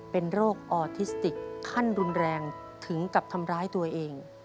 เป็นโรคออทิสติกขั้นรุนแรงถึงกับทำร้ายตัวเอง